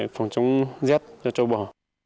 phòng chống rết cho trâu bò